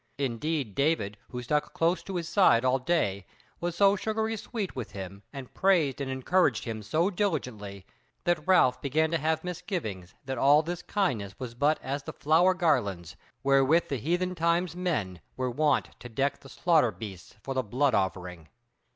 Indeed David, who stuck close to his side all day, was so sugary sweet with him, and praised and encouraged him so diligently, that Ralph began to have misgivings that all this kindness was but as the flower garlands wherewith the heathen times men were wont to deck the slaughter beasts for the blood offering.